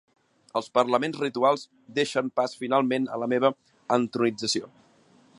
Els parlaments rituals deixen pas finalment a la meva entronització.